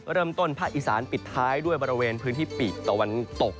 ก็เริ่มต้นภาคอิสานตรมปิดท้ายด้วยบริเวณพื้นที่ปีกตะวันตก